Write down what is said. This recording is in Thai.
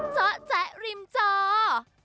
เจอะแจ๊กริมเจาะ